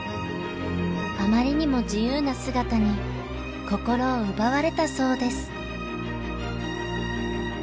あまりにも自由な姿に心を奪われたそうです。